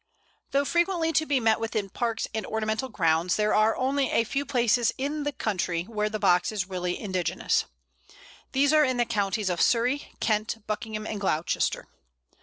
Though frequently to be met with in parks and ornamental grounds, there are only a few places in this country where the Box is really indigenous. These are in the counties of Surrey, Kent, Buckingham, and Gloucester.